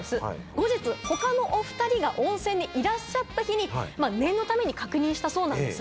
後日他のお２人が温泉にいらっしゃった日に念のために確認したそうなんです。